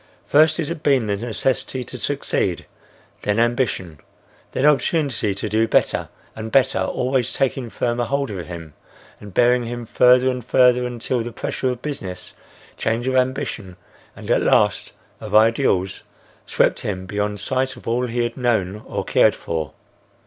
First it had been the necessity to succeed; then ambition; then opportunity to do better and better always taking firmer hold of him and bearing him further and further until the pressure of business, change of ambition and, at last, of ideals swept him beyond sight of all he had known or cared for.